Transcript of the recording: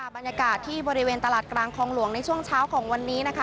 บรรยากาศที่บริเวณตลาดกลางคลองหลวงในช่วงเช้าของวันนี้นะคะ